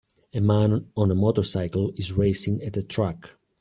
A man on a motorcycle is racing at a track.